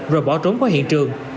rồi bỏ trốn qua hiện trường